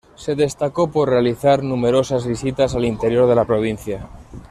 Se destacó por realizar numerosas visitas al interior de la provincia.